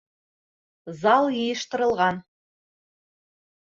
Зал йыйыштырылған.